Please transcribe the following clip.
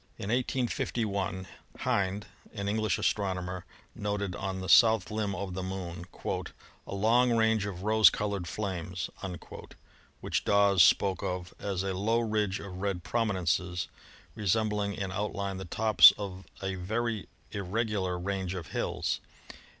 In 185 1 Hind, an English astronomer, noted on the south limb of the Moon "a long range of rose colored flames," which Dawes spoke of as a low ridge of red prominences resembling in outline the tops of a very irregular range of hills.